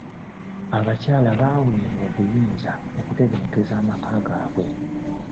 Abakyala baaweebwa obuyinza okutebenkeza amaka gaabwe.